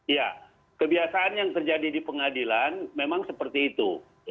ya kebiasaan yang terjadi di pengadilan memang seperti itu